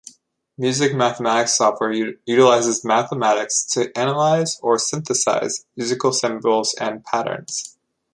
Music mathematics software utilizes mathematics to analyze or synthesize musical symbols and patterns.